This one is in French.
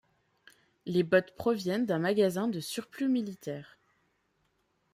Les bottes proviennent d'un magasin de surplus militaire.